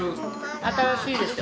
新しいですよ。